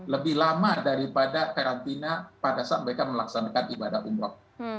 lebih lama daripada karantina pada saat mereka melaksanakan ibadah umroh